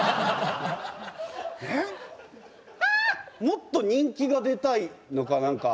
もっと人気が出たいのか何か。